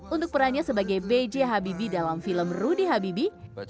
untuk perannya sebagai b j habibie dalam film rudy habibi